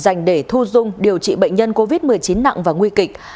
dành để thu dung điều trị bệnh nhân covid một mươi chín nặng và nguy kịch